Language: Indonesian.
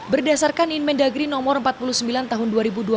berdasarkan inmen dagri no empat puluh sembilan tahun dua ribu dua puluh